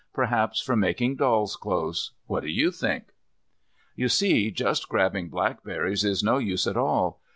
Perhaps from making doll's clothes. What do you think? You see just grabbing blackberries is no use at all.